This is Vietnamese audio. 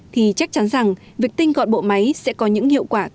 thì chắc chắn rằng việc tinh gọn bộ máy sẽ có những hiệu quả tích cực